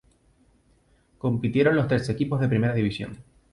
Compitieron los trece equipos de Primera División.